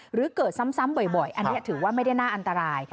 หรือเกิดซ้ำบ่อยอันนี้ถือว่าไม่ได้น่าอันตราย